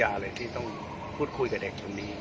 ถ้าไม่ได้ขออนุญาตมันคือจะมีโทษ